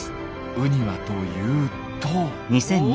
ウニはというと。